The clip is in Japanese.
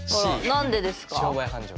何でですか？